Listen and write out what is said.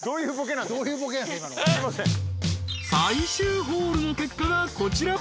［最終ホールの結果がこちら］